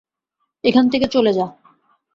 এখান থেকে চলে যা!